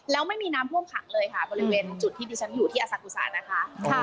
แล้วไม่มีน้ำท่วมขังเลยค่ะบริเวณจุดที่ดิฉันอยู่ที่อสังกุศานะคะ